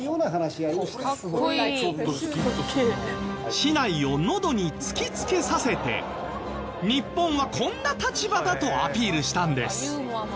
竹刀をのどに突きつけさせて日本はこんな立場だとアピールしたんです。